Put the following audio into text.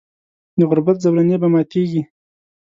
د غربت زولنې به ماتیږي.